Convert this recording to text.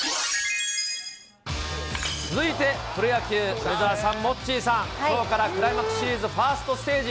続いてプロ野球、梅澤さん、モッチーさん、きょうからクライマックスシリーズ、ファーストステージ。